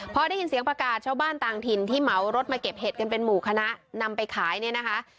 พอได้ยินเสียงประกาศชาวบ้านต่างถิ่นที่เหมารถมาเก็บเห็ดกันเป็นหมู่คณะนำไปขายเนี่ยนะคะ